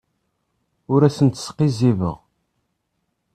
Ur asent-sqizzibeɣ.